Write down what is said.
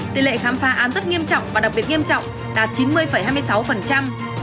tỷ lệ khám phá án rất nghiêm trọng và đặc biệt nghiêm trọng đạt chín mươi hai mươi sáu